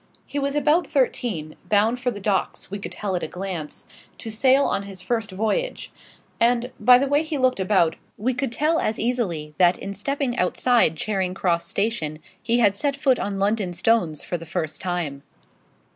He was about thirteen; bound for the docks, we could tell at a glance, to sail on his first voyage; and, by the way he looked about, we could tell as easily that in stepping outside Charing Cross Station he had set foot on London stones for the first time.